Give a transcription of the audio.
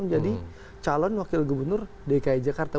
menjadi calon wakil gubernur dki jakarta